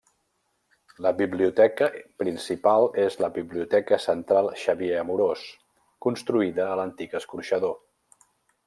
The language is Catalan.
La biblioteca principal és la Biblioteca Central Xavier Amorós, construïda a l'antic escorxador.